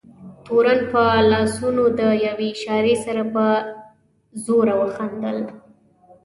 تورن په لاسونو د یوې اشارې سره په زوره وخندل.